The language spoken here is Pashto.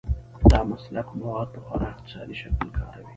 دا مسلک مواد په خورا اقتصادي شکل کاروي.